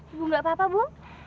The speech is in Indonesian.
ibu nggak apa apa bu